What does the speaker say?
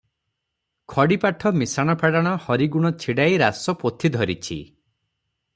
ଖଡ଼ିପାଠ ମିଶାଣ ଫେଡାଣ ହରିଗୁଣ ଛିଡାଇ ରାସ ପୋଥି ଧରିଛି ।